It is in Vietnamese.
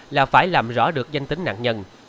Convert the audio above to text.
là phải làm rõ được danh tính nạn nhân